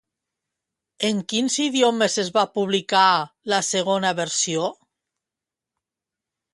En quins idiomes es va publicar la segona versió?